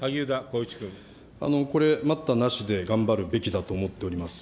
これ、待ったなしで頑張るべきだと思っております。